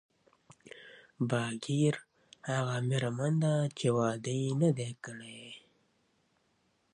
باکره هغه ميرمن ده، چي واده ئې نه وي کړی